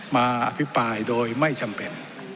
อภิปรายโดยไม่จำเป็น